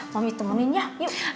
mami temenin ya yuk